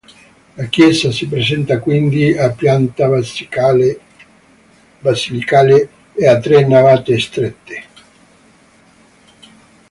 La chiesa si presenta quindi a pianta basilicale e a tre navate strette.